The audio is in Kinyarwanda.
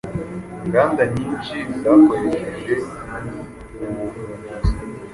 inganda nyinshi zakoresheje ubu buvumbuzi